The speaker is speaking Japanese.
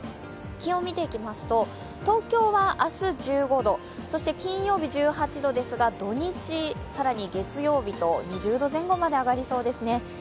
気温を見ていきますと、東京は明日１５度、金曜日１８度ですが、土日、さらに月曜日と２０度前後まで上がりそうですね。